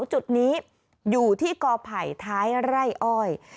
ทุกจุดนี้อยู่ที่กอภัยท้ายไร้อ้อย